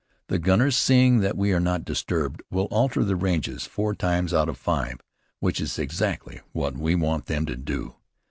The gunners, seeing that we are not disturbed, will alter their ranges, four times out of five, which is exactly what we want them to do.